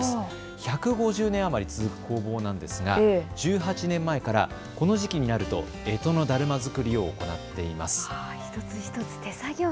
１５０年余り続く工房なんですが１８年ほど前からこの時期になると、えとのだるま作りを行っています。